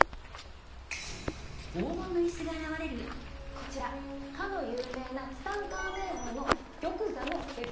こちらかの有名なツタンカーメン王の玉座のレプリカ。